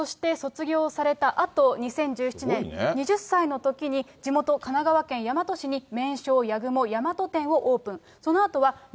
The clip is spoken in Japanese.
そして、卒業されたあと、２０１７年、２０歳のときに地元、神奈川県大和市に麺匠八雲大和店をオープン。